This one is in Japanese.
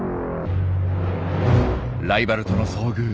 ライバルとの遭遇。